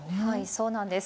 そうなんです。